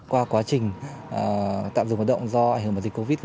qua quá trình tạm dừng hoạt động do ảnh hưởng bởi dịch covid một mươi chín